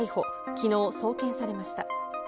きのう送検されました。